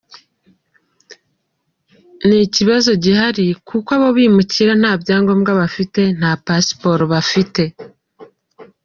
Ni ikibazo gihari kuko abo bimukira nta byangombwa bafite, nta pasiporo bafite.”